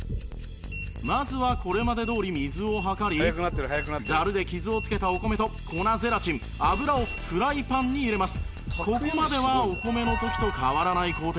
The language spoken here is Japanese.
まずはこれまでどおり水を量りざるで傷をつけたお米と粉ゼラチン油をフライパンに入れます